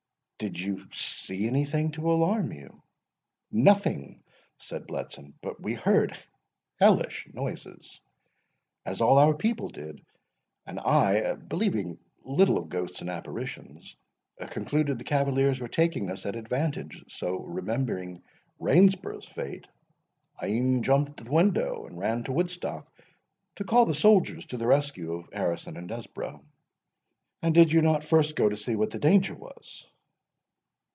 "Did you see any thing to alarm you?" said the Colonel. "Nothing," said Bletson; "but we heard hellish noises, as all our people did; and I, believing little of ghosts and apparitions, concluded the cavaliers were taking us at advantage; so, remembering Rainsborough's fate, I e'en jumped the window, and ran to Woodstock, to call the soldiers to the rescue of Harrison and Desborough." "And did you not first go to see what the danger was?"